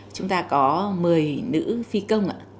chúng ta có một mươi nữ phi công ạ